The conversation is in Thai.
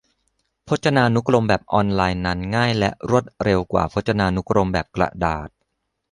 พจนานุกรมแบบออนไลน์นั้นง่ายและรวดเร็วกว่าพจนานุกรมแบบกระดาษ